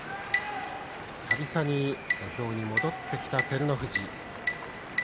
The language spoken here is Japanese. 久々に土俵に戻ってきた照ノ富士。